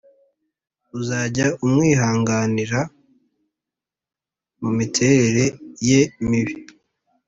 Uzajya umwihanganira mumiterere ye mibi